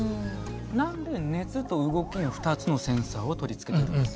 何で熱と動きの２つのセンサーを取り付けてるんですか？